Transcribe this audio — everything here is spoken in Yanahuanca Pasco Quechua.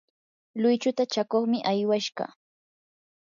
luychuta chakuqmi aywashqa.